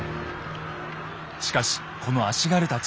しかしこの足軽たち。